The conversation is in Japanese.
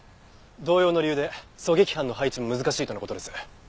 同様の理由で狙撃班の配置も難しいとの事です。